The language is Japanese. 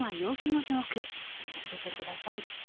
入れてください。